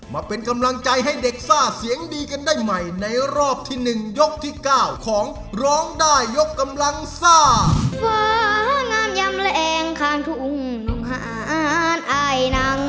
มาเป็นกำลังใจให้เด็กซ่าเสียงดีกันได้ใหม่ในรอบที่๑ยกที่เก้าของร้องได้ยกกำลังซ่านทุ่ง